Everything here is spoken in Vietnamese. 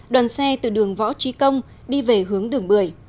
đoàn xe từ đường võ trí công đi về hướng đường một mươi